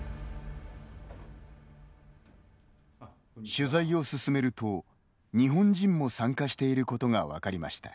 取材を進めると、日本人も参加していることが分かりました。